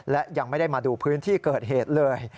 และยังไม่ได้มาดูพื้นที่เกิดเหตุเลย